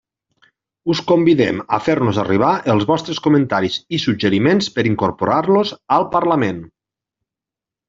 Us convidem a fer-nos arribar els vostres comentaris i suggeriments per incorporar-los al parlament.